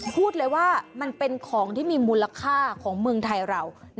พูดเลยว่ามันเป็นของที่มีมูลค่าของเมืองไทยเรา